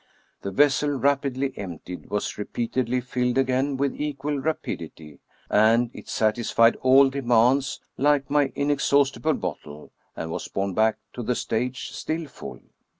The vessel, rapidly emptied, was repeatedly filled again with equal rapidity; and it satisfied all demands, like my inexhaustible bottle, and was borne back to the stage still full.